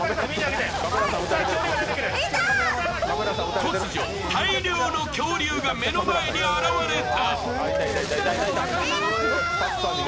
突如、大量の恐竜が目の前に現れた。